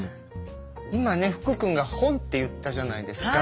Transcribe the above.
今ね福君が本って言ったじゃないですか。